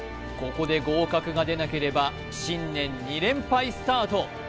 ここで合格が出なければ新年２連敗スタート